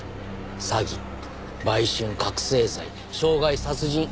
詐欺売春覚醒剤傷害殺人。